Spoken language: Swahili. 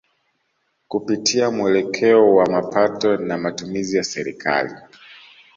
Kupitia muelekeo wa mapato na matumizi ya Serikali